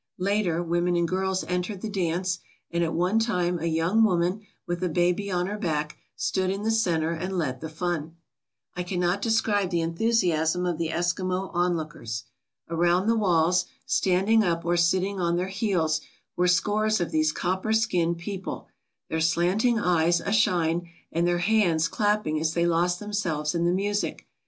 Later women and girls entered the dance, and at one time a young woman, with a baby on her back, stood in the centre and led the fun. I cannot describe the enthusiasm of the Eskimo on lookers. Around the walls, standing up or sitting on their heels, were scores of these copper skinned people, their slanting eyes ashine, and their hands clapping as they lost themselves in the music.